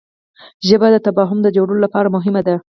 ژبه د تفاهم د جوړولو لپاره مهمه ده